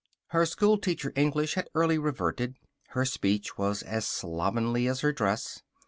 Her schoolteacher English had early reverted. Her speech was as slovenly as her dress.